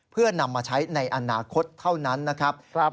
เพื่อนำมาใช้ในอนาคตเท่านั้นนะครับ